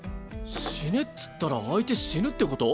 「死ね」っつったら相手死ぬってこと？